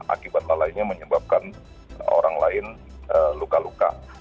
akibat lalainya menyebabkan orang lain luka luka